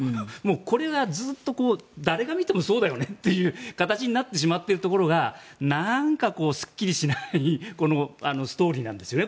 これがずっと誰が見てもそうだよねという形になってしまっているところがなんかすっきりしないストーリーなんですよね